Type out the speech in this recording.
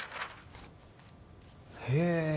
へぇ。